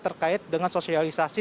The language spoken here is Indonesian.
terkait dengan sosialisasi